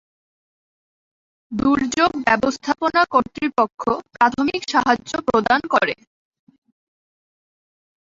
দুর্যোগ ব্যবস্থাপনা কর্তৃপক্ষ প্রাথমিক সাহায্য প্রদান করে।